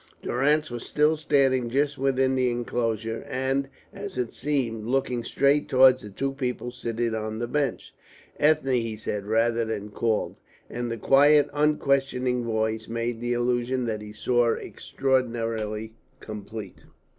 Durrance was still standing just within the enclosure, and, as it seemed, looking straight towards the two people seated on the bench. "Ethne," he said, rather than called; and the quiet unquestioning voice made the illusion that he saw extraordinarily complete.